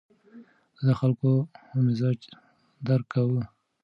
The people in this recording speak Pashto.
ده د خلکو مزاج درک کاوه.